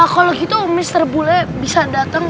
kalau gitu mister boleh bisa dateng